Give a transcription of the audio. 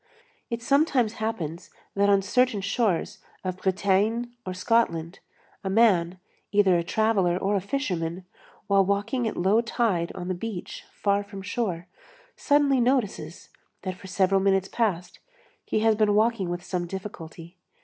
It sometimes happens, that on certain shores of Bretagne or Scotland a man, either a traveller or a fisherman, while walking at low tide on the beach far from shore, suddenly notices that for several minutes past, he has been walking with some difficulty.